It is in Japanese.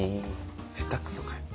下手くそかよ。